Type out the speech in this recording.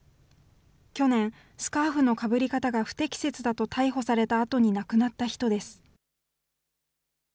去年、スカーフのかぶり方が不適切だと逮捕されたあとに亡くなった人です。